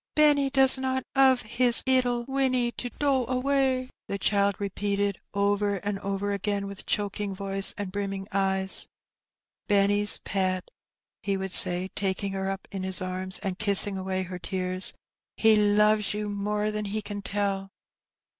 "Benny does not ^ove his 'ittle Winnie, to do away," the child repeated over and over again, with choking voice and brimming eyes. "Benny's pet,'' he would say, taking her up in his arms and kissing away her tears ; "he loves you more than he can tell."